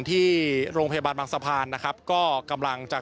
ที่โรงพยาบาลบางสะพานนะครับก็กำลังจะ